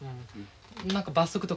何か罰則とか？